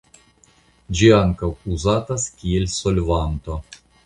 Ĝi ankaŭ uzatas kiel solvanto.